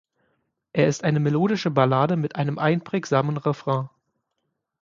Er ist eine melodische Ballade mit einem einprägsamen Refrain.